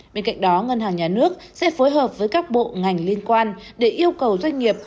bên cạnh đó ngân hàng nhà nước sẽ phối hợp với các bộ ngành liên quan để yêu cầu doanh nghiệp